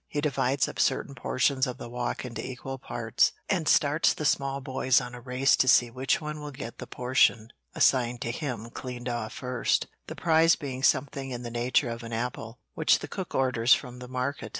He divides up certain portions of the walk into equal parts, and starts the small boys on a race to see which one will get the portion assigned to him cleaned off first, the prize being something in the nature of an apple, which the cook orders from the market.